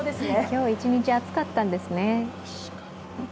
今日一日、暑かったんですね。